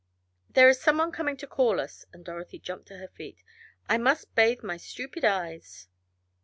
"There is someone coming to call us," and Dorothy jumped to her feet. "I must bathe my stupid eyes."